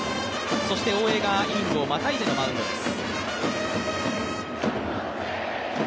そして大江がイニングをまたいでのマウンドです。